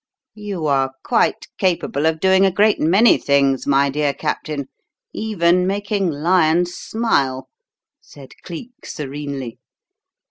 "You are quite capable of doing a great many things, my dear captain, even making lions smile!" said Cleek serenely.